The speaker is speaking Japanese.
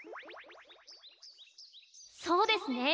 そうですね。